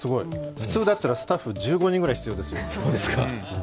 普通だったらスタッフ１５人ぐらい必要ですよ。